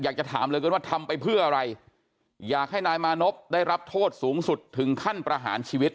อยากจะถามเหลือเกินว่าทำไปเพื่ออะไรอยากให้นายมานพได้รับโทษสูงสุดถึงขั้นประหารชีวิต